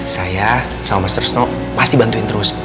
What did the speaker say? saya sama mas resno pasti bantuin terus